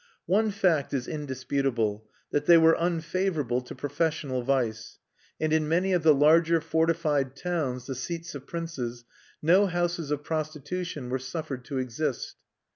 One fact is indisputable, that they were unfavorable to professional vice; and in many of the larger fortified towns, the seats of princes, no houses of prostitution were suffered to exist.